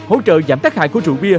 hỗ trợ giảm tác hại của rượu bia